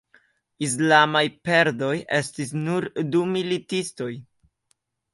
Islamaj perdoj estis nur du militistoj.